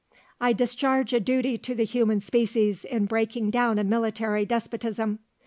"I discharge a duty to the human species in breaking down a military despotism.